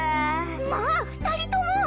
まあ２人とも！